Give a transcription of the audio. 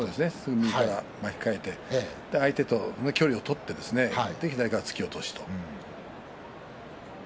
右から巻き替えて相手との距離を取って左からの突き落としと。